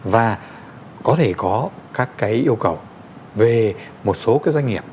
và có thể có các cái yêu cầu về một số cái doanh nghiệp